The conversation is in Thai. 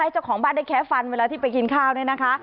เจ้าของบ้านได้แค่ฟันเวลาที่ไปกินข้าวเนี่ยนะคะ